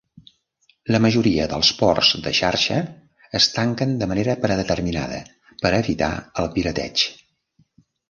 La majoria dels ports de xarxa es tanquen de manera predeterminada per evitar el pirateig.